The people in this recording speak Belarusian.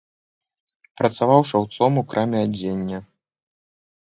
Працаваў шаўцом у краме адзення.